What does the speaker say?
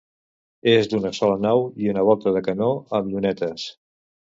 És d'una sola nau i una volta de canó amb llunetes.